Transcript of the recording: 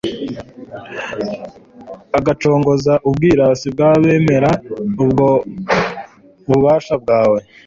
ugacogoza ubwirasi bw'abemera ubwo bubasha bwawe